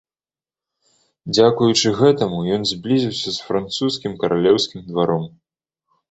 Дзякуючы гэтаму ён зблізіўся з французскім каралеўскім дваром.